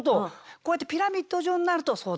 こうやってピラミッド状になるとそうだな